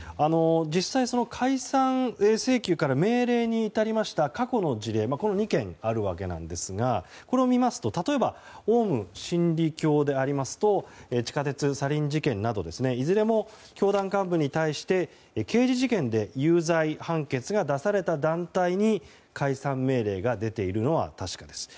実際、その解散請求から命令に至りました過去の事例２件ありますがこれを見ますと例えばオウム真理教ですと地下鉄サリン事件などいずれも、教団幹部に対して刑事事件で有罪判決が出された団体に解散命令が出ているのは確かです。